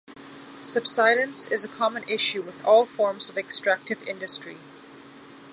Subsidence is a common issue with all forms of extractive industry.